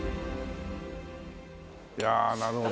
いやあなるほど。